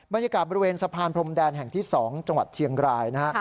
บรรยากาศบริเวณสะพานพรมแดนแห่งที่๒จังหวัดเชียงรายนะฮะ